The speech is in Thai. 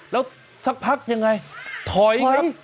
แล้วสักพักยังไงถอยครับ